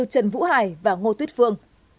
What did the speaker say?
trần vũ hải và ngô tuyết phương